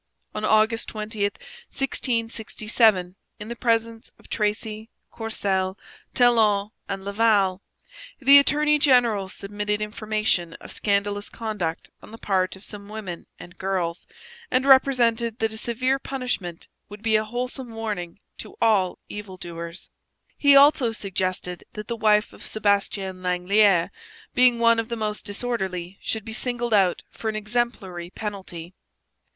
On August 20, 1667, in the presence of Tracy, Courcelle, Talon, and Laval, the attorney general submitted information of scandalous conduct on the part of some women and girls, and represented that a severe punishment would be a wholesome warning to all evil doers; he also suggested that the wife of Sebastien Langelier, being one of the most disorderly, should be singled out for an exemplary penalty.